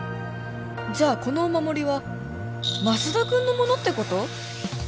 じゃあこのお守りはマスダ君のものってこと？